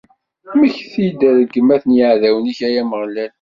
Mmekti-d d rregmat n yiɛdawen-ik, ay Ameɣlal!